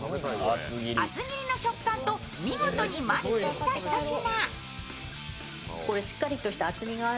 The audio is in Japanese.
厚切りの食感と見事にマッチしたひと品。